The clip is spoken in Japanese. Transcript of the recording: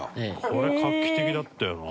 これ、画期的だったよな。